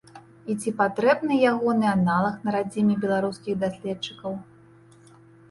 І ці патрэбны ягоны аналаг на радзіме беларускіх даследчыкаў?